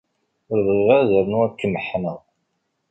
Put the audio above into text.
Ur bɣiɣ ara ad rnuɣ ad k-meḥḥneɣ.